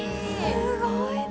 すごいね。